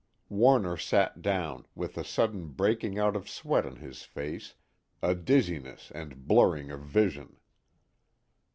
Warner sat down, with a sudden breaking out of sweat on his face, a dizziness and blurring of vision.